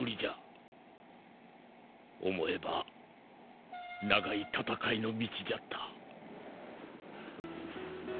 思えば長い戦いの道じゃった。